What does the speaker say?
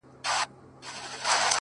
چي زړه ته- ته راغلې په مخه رقيب هم راغی-